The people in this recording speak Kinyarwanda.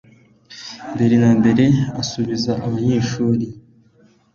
mbere na mbere asuhuza abanyeshuri